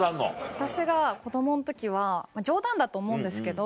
私が子供の時はまぁ冗談だと思うんですけど。